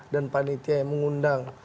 dan panitia yang mengundang